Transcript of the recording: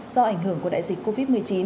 do ảnh hưởng của đại dịch covid một mươi chín